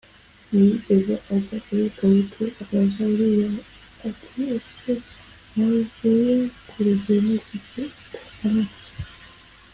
ntiyigeze ajya iwe Dawidi abaza Uriya ati ese ntuvuye ku rugendo Kuki utamanutse